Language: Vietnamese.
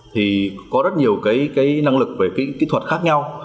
thì có rất nhiều cái năng lực về kỹ thuật khác nhau